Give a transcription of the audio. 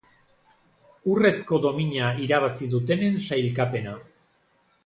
Urrezko domina irabazi dutenen sailkapena.